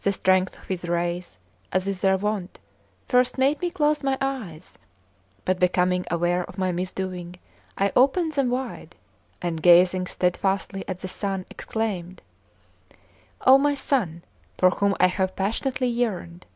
The strength of his rays, as is their wont, first made me close my eyes; but becoming aware of my misdoing, I opened them wide, and gazing steadfastly at the sun, exclaimed: "Oh, my sun, for whom I have passionately yearned!